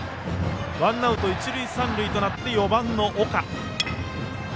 ワンアウト一塁三塁となって４番の岡。